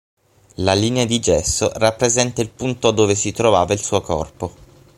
La linea di gesso rappresenta il punto dove si trovava il suo corpo.